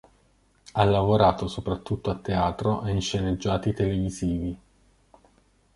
Ha lavorato soprattutto a teatro e in sceneggiati televisivi.